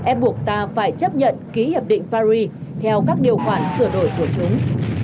ép buộc ta phải chấp nhận ký hiệp định paris theo các điều khoản sửa đổi của chúng